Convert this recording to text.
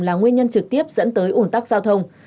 là nguyên nhân trực tiếp dẫn tới ủn tắc giao thông